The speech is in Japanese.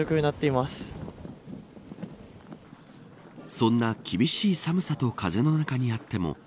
そんな厳しい寒さと風の中にあっても